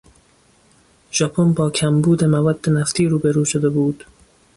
ژاپن با کمبود مواد نفتی روبرو شده بود.